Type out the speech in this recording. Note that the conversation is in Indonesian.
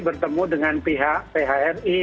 bertemu dengan pihak phri